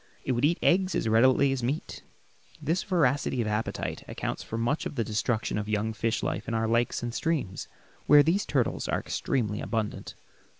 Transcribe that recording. It would eat eggs as readily as meat. This voracity of appetite accounts for much of the destruction of young fish life in our lakes and streams, where these turtles are extremely abundant.